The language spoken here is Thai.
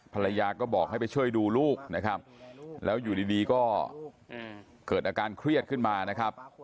ภรรยาก็บอกให้ไปช่วยดูลูกนะครับแล้วอยู่ดีก็เกิดอาการเครียดขึ้นมานะครับ